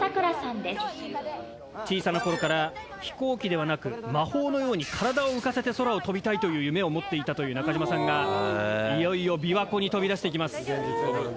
小さな頃から飛行機ではなく魔法のように体を浮かせて空を飛びたいという夢を持っていたという中島さんがいよいよ琵琶湖に飛び出して行きます。